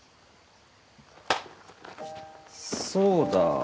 そうだ。